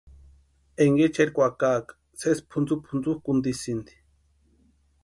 Énka echeri kwakaa sési pʼuntsupʼuntsukʼuntisïni.